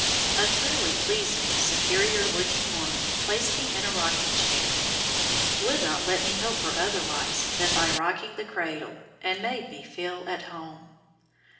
A truly pleasing, superior looking woman placed me in a rocking chair; would not let me help her otherwise than by rocking the cradle, and made me "feel at home."